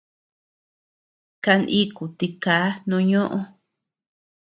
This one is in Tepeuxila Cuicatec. Kaníku tikaa no ñoʼo.